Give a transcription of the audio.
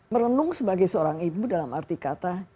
merenung sebagai seorang ibu dalam arti kata